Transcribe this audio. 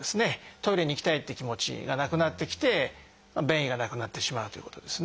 トイレに行きたいって気持ちがなくなってきて便意がなくなってしまうということですね。